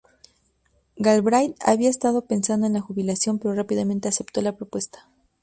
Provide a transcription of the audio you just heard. Galbraith había estado pensando en la jubilación, pero rápidamente aceptó la propuesta.